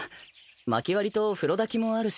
まき割りと風呂だきもあるし。